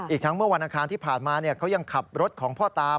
ทั้งเมื่อวันอังคารที่ผ่านมาเขายังขับรถของพ่อตา